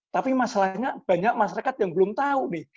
tapi masalahnya banyak masyarakat yang belum tahu nih